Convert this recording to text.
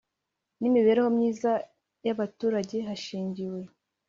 N imibereho myiza y abaturage hashingiwe